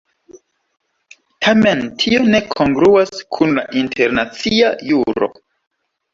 Tamen tio ne kongruas kun la internacia juro.